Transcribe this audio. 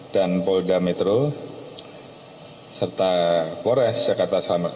dan polda metro serta kores jakarta selamat